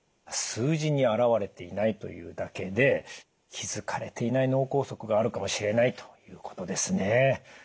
数字に表れていないというだけで気付かれていない脳梗塞があるかもしれないということですね。